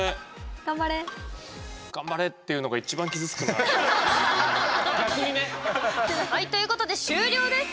「頑張れ！」っていうのが一番傷付くな。ということで終了です。